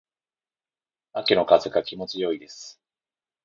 秋の風が気持ち良いです。